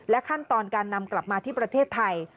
ขั้นตอนการนำกลับมาที่ประเทศไทย